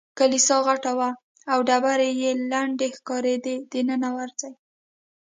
کلیسا غټه وه او ډبرې یې لندې ښکارېدې، دننه ورځې؟